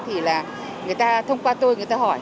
thì là người ta thông qua tôi người ta hỏi